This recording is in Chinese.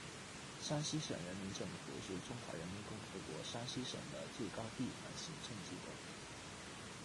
山西省人民政府是中华人民共和国山西省的最高地方行政机构。